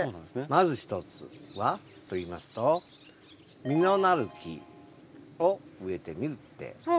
まず１つはといいますと実のなる木を植えてみるって。